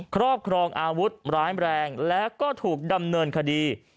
ครอบครองอาวุธร้ายแรงและก็ถูกดำเนินคดี